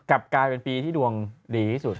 กลับกลายเป็นปีที่ดวงดีที่สุด